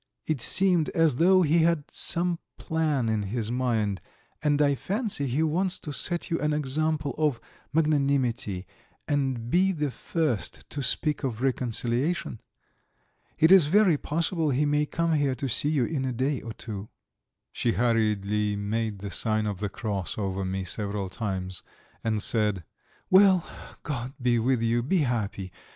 It seems as though he had some plan in his mind, and I fancy he wants to set you an example of magnanimity and be the first to speak of reconciliation. It is very possible he may come here to see you in a day or two." She hurriedly made the sign of the cross over me several times and said: "Well, God be with you. Be happy.